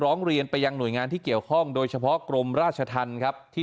ร้องเรียนไปยังหน่วยงานที่เกี่ยวข้องโดยเฉพาะกรมราชธรรมครับที่